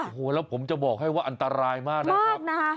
โอ้โหแล้วผมจะบอกให้ว่าอันตรายมากนะครับ